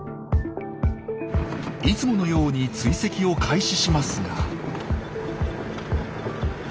いつものように追跡を開始しますが。